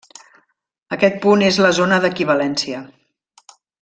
Aquest punt és la zona d'equivalència.